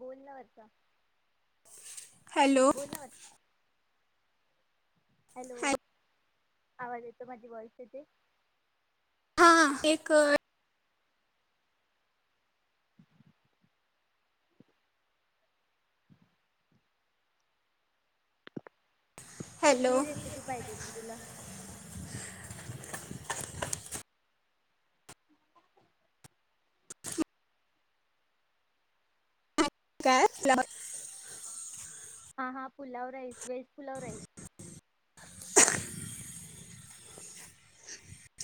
बोल न आता हॅलो हॅलो हॅ- आवाज येतो, माझी व्हॉईस येते. हा एक [inaudible] हॅलो कसली रेसिपी पाहिजे होती तुला काय [unintelligible] हा हा pulao rice veg pulao rice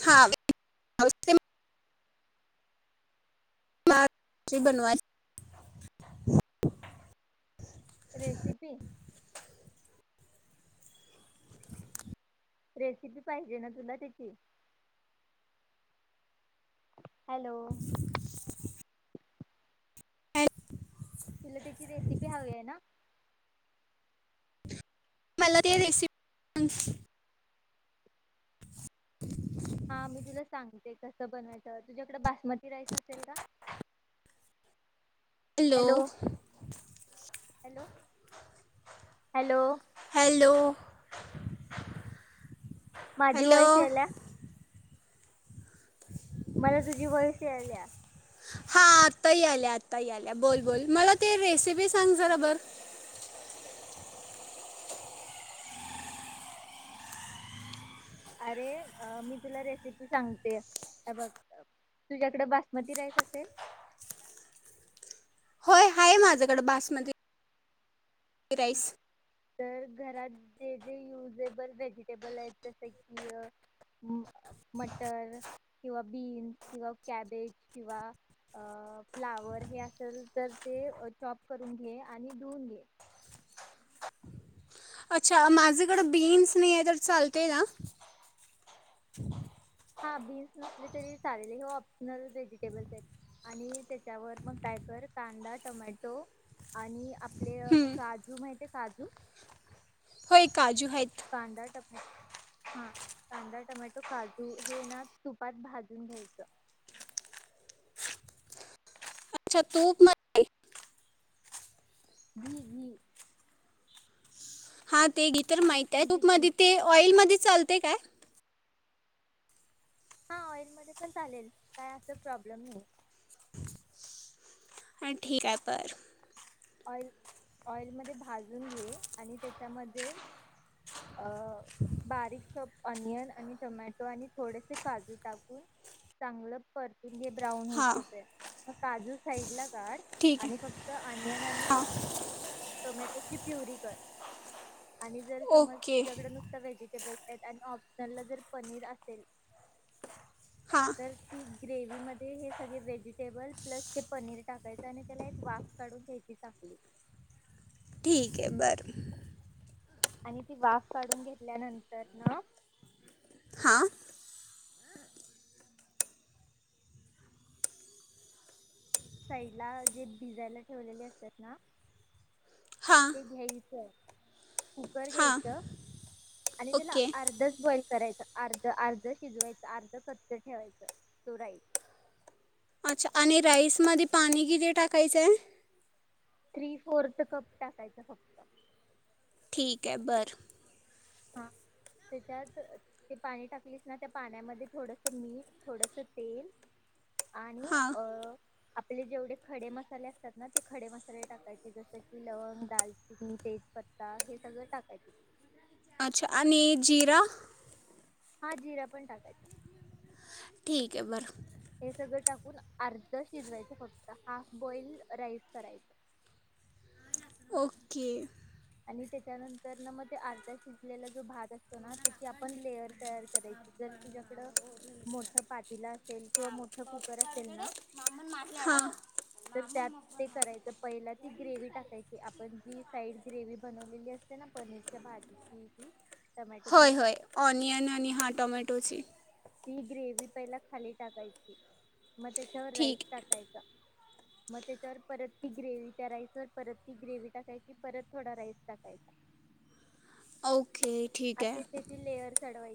हा [unintelligible] [unintelligible] रेसिपी रेसिपी पाहिजे ना तुला त्याची? हॅलो एक तुला त्याची रेसिपी हवी आहे ना मला ते रेसिपी [unintelligible] [inaudible] हा मी तुला सांगते कस बनवायचं, तुझ्याकडे बासमती राईस असेल का? हॅलो हॅलो हॅलो हॅलो माझी हॅलो वॉईस यायल्या [inaudible] मला तुझी [inaudible] यायला हा आत्ताही आल्या आताही आल्या बोल बोल मला ते रेसिपी सांग जरा हा बर अरे मी तुला रेसिपी सांगते बघ तुझ्याकडे बासमती राईस असेल.. होय आहे माझ्याकड बासमती. राईस.. तर घरात जे जे युजेबल व्हेजिटेबल आहेत जसे की.... मटर किंवा बीन्स किंवा कॅबेज किंवा अ अ फ्लावर हे असेल तर ते चॉप करून घे आणि धुऊन घे. अच्छा माझ्याकडे बीन्स नाही आहे तर चालतय ना... हा बीन्स नसले तरी चालेल हे ऑप्शनल व्हेजिटेबल्स आहेत आणि त्याच्यावर मग काय कर कांदा टोमॅटो आणि आपले काजू माहिती आहे..... काजू होय काजू आहेत कांदा टफॅट हा कांदा टोमॅटो काजू हे ना तुपात भाजून घ्यायचं अच्छा तूप मध्ये ह ह हा ते डिटेल माहित आहे म्हणजे तूप घी मध्ये ते ऑइल मध्ये चाल ते काय... हा ऑइल मध्ये पण चालेल काय असं प्रॉब्लेम नाही.... ठीक आहे बर ऑल ऑइल मध्ये भाजून घे आणि त्याच्यामध्ये..... अं बारीक शब.. ऑनियन आणि टोमॅटो आणि थोडेसे काजू टाकून चांगलं परतून... ते ब्राऊन होऊस हां तोपर्यंत काजू साईड ला काढ ठीक आहे आणि फक्त ओनियन हां टोमॅटोची प्युरी कर.... आणि जर समज ओके तुझ्याकड नुसत व्हेजी हे बघ [unintelligible] ऑप्शनल ला जर पनीर असेल हां तर ती ग्रेव्ही मध्ये हे सगळे व्हेजिटेबल.... प्लस ते पनीर टाकायचं आणि त्याला एक वाफ काढून घ्यायची.... टाकली. ठीक आहे बरं आणि ती वाफ काढून घेतल्यानंतर न हां साइड ला जे भिझायला ठेवलेले असतात ना हां ते घ्यायचं कुकर हां घ्यायचं आणि त्याला ओके अर्धच बॉइल करायचं.... आर्ध आर्ध शिजवायच आर्ध कच्च ठेवायचं तो राई अच्छा आणि राईसमध्ये पाणी किती टाकायचंय... थ्री फोर्थ कप टाकायचं फक्त ठीक आहे बरं हा त्याच्यात ते पाणी टाकलीस ना त्या पाण्यामध्ये थोडस मीठ थोडस तेल आणि हां अ आप आपले जेवढे खडे मसाले असतात ना ते खडे मसाले टाकायचे जस की लवंग दालचिनी तेजपत्ता हे सगळ टाकायचे.... अच्छा आणि आणि जिरा हा जिरा पण टाकायचा.. ठीक आहे बरं.. सगळं टाकून अर्ध शिजवायचं फक्त हाफ बॉइल राईस करायच. ओके आणि त्याच्यानंतर ना मग ते अर्धा शिजलेला जो भात करतो ना त्याची आपण लेयर तयार करायची जर तुझ्याकड मोठ पातेल अस सेल [unintelligible] तर त्यात ते करायचं पहिला ती ग्रेवी टाकायची आपण जी साईड ग्रेवी बनवलेली असते ना पनीरच्या भाजीची ती टमॅटो ची होय होय ऑनियन आणि हा हां टोमॅटोची ती ग्रेवी पहिला खाली टाकायची... म त्याच्यावर राईस ठीक टाकायचा.... म त्याच्यावर परत ती ग्रेवी करायचं परत ती ग्रेवी टाकायची परत थोडा राईस टाकायचा. औ असे तेथील लेअर चढवाय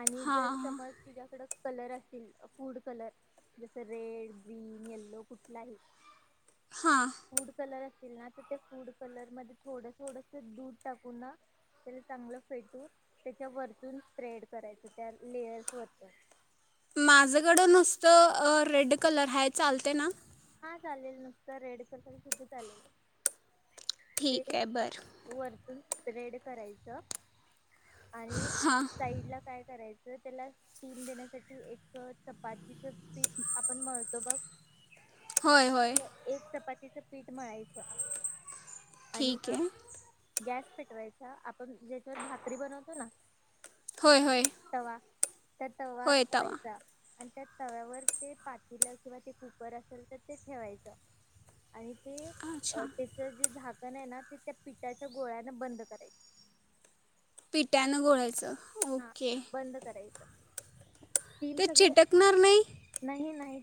आणि जर हां समज तुझाकडं कलर असतील फूड कलर जस रेड ग्रीन येल्लो कुठलाही हां हां फूड कलर ना तर ते फूड कलर मध्ये थोडं थोडस दूध टाकू ना त्याला चांगलं फेटून त्याच्या वरतून स्प्रेड करायच त्या लेयर्स वरत माझकडं नुसतं रेड कलर हाय चालतय ना हा चालेल नुसत रेड कलर सुद्धा चालेल ठीक ते आहे बरं वरतून रेड करायचं आणि हां साईड ला काय कराय तर त्याला स्टीम देण्यासाठी एक चपातीच पीठ आपण मळतो बघ होय होय एक चपातीचं पीठ मळायचं आणि ठीक ना ये गॅस पेटवायचा आपण ज्याच्यावर भाकरी बनवतो ना होय होय त्यात तवा होय तवा ठेवायचा... आणि त्या तव्यावर ते पातील किंवा ते कु.... र असेल तर ते ठेवायचं आणि.... ते अच्छा अ त्याच जे झाक.. पण आहे ना ते त्या पिठाच्या गोळ्याने बंद करायची.... पिठान घोळायच.... हा बंद करायचं.... स्टीम ते चिटकणार नाही...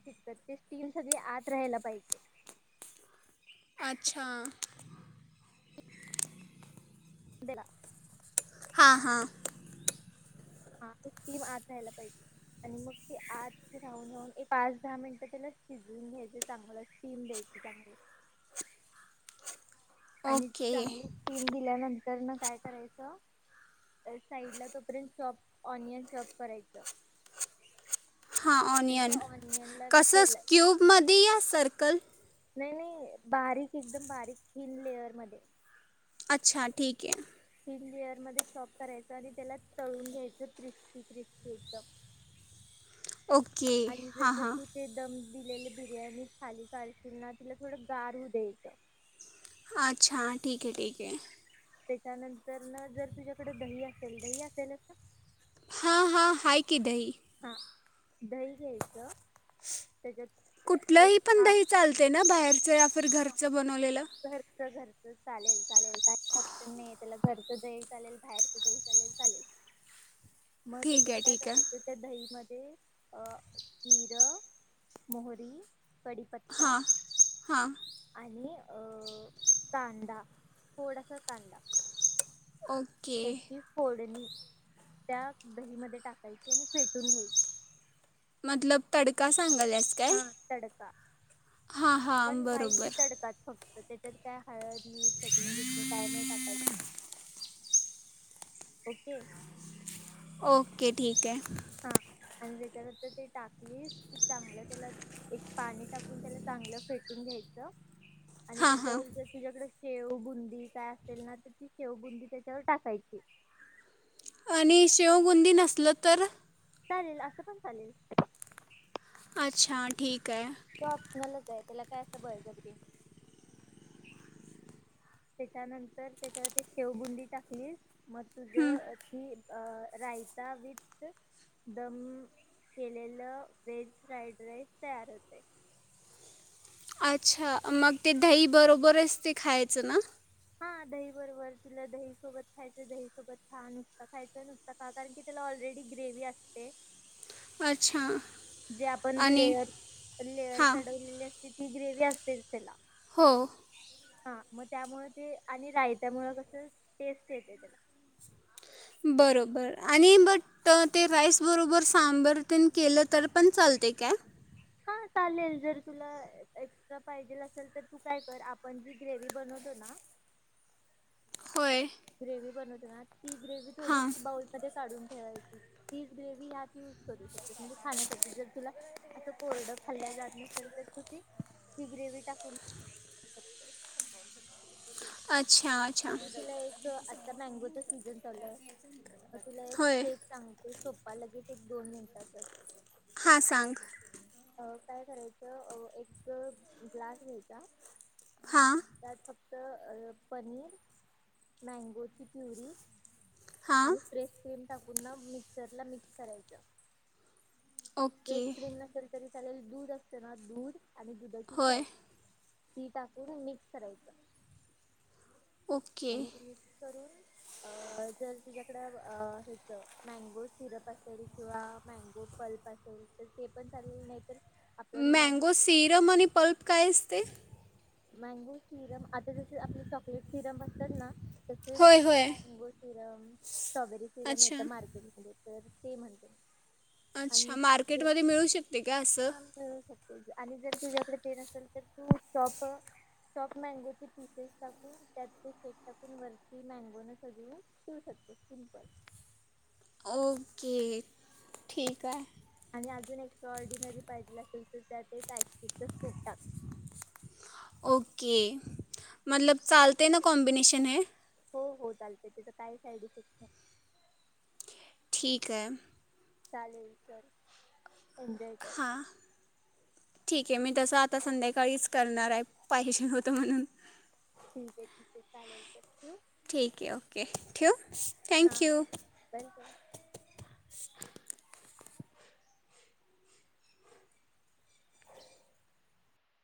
त्याची स्टीम सगळी आत राहायला पाहिजे अच्छा देना हा हा हा ती स्टीम आत राहायला पाहिजे आणि मग ते आत राहून राहून एक पाच दहा मिनिटं त्याला शिजून घ्यायचे चांगलं स्टीम द्यायची चांगली आणि ओके चांगली स्टीम दिल्यानं... तर मग काय करायचं.... साईड ला तोपर्यंत चॉप ऑनियन चॉप करायचं.... हा आणि त्या ऑनियन ऑनियनला ना कस तेल स्कूब मध्ये या सर्कल नाही नाही बारीक एकदम बारीक थीन लेअर मध्ये.... अच्छा ठीक हे थीन लेअर मध्ये चॉप करायच आणि त्याला तळून घ्यायच क्रिस्पी क्रिस्पी एकदम...... ओके हां हां.... केलेली बिर्याणी खाली काढशील ना तिला थोडं गार होऊ द्यायचं.... हा अच्छा ठीक हे ठीक हे त्याच्यानंतर ना जर तुझ्याकडे दही अस.... जर दही असेल असं. हां हां हाय की दही हा दही घ्यायचं त्याच्यात एक कुठलंही पण हाफ दही चालते ना बाहेरचे.... पर घरचं बनवलेलं.... घरचच चालेल चालेल काही प्रॉब्लेम नाही त्याला घरचं..... दही चालेल बाहेरच दही चालेल चालेल..... मग ठीक त्याच्यात आहे काय ठीक आहे करायचं त्या दही म.. अ जिर, मोहरी कडीपत्ता हां हां आणि अ कांदा थोडासा कांदा ओके ह्याची फोडणी त्या दहीमध्ये टाकायची आणि फेटून घ्यायची मतलब तडका सांगाल्यास काय हा तडका हां पण हां वाईच बरोबर तडका फक्त त्याच्यात काय हळद मीठ चटणी बिटणी काय नाही टाकायची ओके ओके ठीक आहे हा आणि त्याच्यानंतर ते टाकली की चांगलं त्याला एक पाणी टाकून त्याला चांगलं फेटून घ्यायचं आणि हां हां त्याच्यावर तर तुझ्याकडे शेव बुंदी काय असेल ना ती शेवबुंदी त्याच्यावर टाकायची आणि शेवगुंदी नसल तर? चालेल असं पण चालेल. अच्छा ठीक आहे तो आपल्याला जायच त्याला काय असं बळजबरी त्याच्यानंतर त्याच्यावरती शेवबुंदी टाकलीस मग तुझ हं. ती रायता विथ दम केलेलं वेज फ्राईड राईस तयार होते अच्छा मग ते दही बरोबर असते खायचं ना हा दही बरोबर तुला दही सोबत खायचं दही सोबत खा नुसत खायचं नुसत खा कारण की तला ऑलरेडी ग्रेवी असते अच्छा जे आपण आणि लेअर लेअर हां चढवलेले ति ग्रेवी असतेच त्यात हो हा मग त्यामुळे आणि रायत्यामुळ कस टेस्ट येते त्याला बरोबर आणि बट ते राईस बरोबर सांबर केलं तर पण चालते काय हा चालेल जर तुला एक्स्ट्रा पाहिजेल असेल तर तू काय कर आपण जी ग्रेव बनवतो ना होय ग्रेवी बनवते ना ती ग्रेवी थोडी हां इ बाउल मध्ये काढून ठेवायची तीच ग्रेव्ही ह्यात यूज करू शकते म्हणजे खाण्यासाठी जर तुला असं कोरड खाल्ल्या जात नसेल तर तुझ ही ग्रेवी टाकून अच् आणि तुला एक आता मँगोचा सीझन चालूय म तुला एक होय केक सांगते सोपा लगेच दोन मिनिटांचच हा सांग काय करायचं एक ग्लास घ्यायचा. हां त्यात फक्त अ पनीर मॅगोची प्युरी हां आणि फ्रेश क्रीम टाकून ना मिक्सरला मिक्स करायचं फ्रेश ओके क्रीम नसेल तरी दूध असते ना दूध आणि दुधाची होय साय ती टाकून मिक्स करायचं ओके आणि मिक्स करून अ जर तुझ्याकड अ ह्याच मॅगो सिरप असेल किंवा मँगो पल्प असेल तर ते पण चालेलं नाही तर आपण मॅगो मँगो सिरम आणि पल्प काय असते. मॅगो सिरम आता जस आपले चॉकलेट सिरम असतात ना तसेच होय होय मँगो सिरम स्ट्रॉबेरी सिरम येत अच्छा मार्केटमध्ये तर ते म्हणते अच्छा आणि जर मार्केटमध्ये मिळू शकते काय असं हा मिळू शकते आणि जर तुझ्याकडे ते नसेल तर तू चॉक चोप चॉप मँगोचे पिसेस टाकून त्याचे मिल्क शेक टाकून वरती मँगोने सजवून ठेवू शकते सिपल ओके ठीक आहे आणि अजून एक्स्ट्रा ऑर्डिनरी पाहिजेल असेल तर त्यात एक आईस क्यूब चा क्यूब टाक. ओके मतलब चालते ना कॉम्बिनेशन हे हो हो चालतय त्याचा काही साईड इफेक्ट नाही ठीक आहे चालेल चल एन्जॉय कर हां ठीक आहे मी तसं आता संध्याकाळीच करणार आहे पाहिजे होत म्हणून ठीक आहे ठीक आहे चालेल ठेवू ठीक आहे ओके ठेऊ हां थँक्यू [inaudible] [unintelligible]